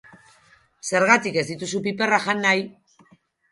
Zergatik ez dituzu piperrak jan nahi?